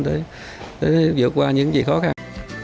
để dựa qua những gì khó khăn